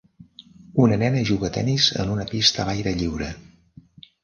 Una nena juga a tenis en una pista a l"aire lliure.